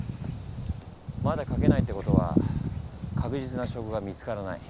まだ書けないってことは確実な証拠が見つからない。